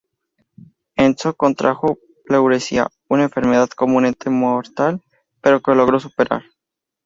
Enzo contrajo pleuresía, una enfermedad comúnmente mortal, pero que logró superar.